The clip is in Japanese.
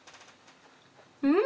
「うん」